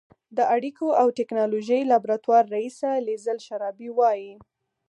د اړیکو او ټېکنالوژۍ لابراتوار رییسه لیزل شرابي وايي